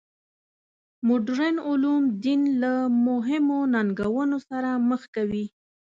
مډرن علوم دین له مهمو ننګونو سره مخ کوي.